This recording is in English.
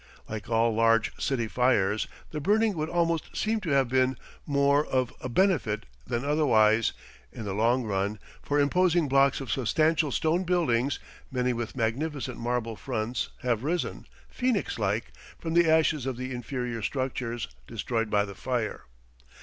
Like all large city fires, the burning would almost seem to have been more of a benefit than otherwise, in the long run, for imposing blocks of substantial stone buildings, many with magnificent marble fronts, have risen, Phoenix like, from the ashes of the inferior structures destroyed by the fire.